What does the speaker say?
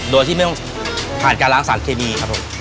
โดยที่ไม่ต้องผ่านการล้างสารเคมีครับผม